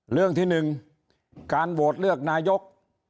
เรื่องที่๑การโหวตเลือกนายก